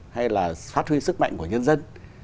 hay là phát huy sức mạnh của nhân dân